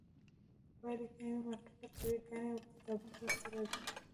په پایله کې نوې مالګې، القلي ګانې او تیزابونه لاس ته راځي.